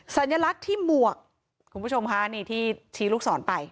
สัญลักษณ์ที่หมวกคุณผู้ชมค่ะนี่ที่ชี้ลูกศรไป